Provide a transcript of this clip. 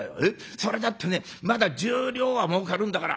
それだってねまだ１０両はもうかるんだから。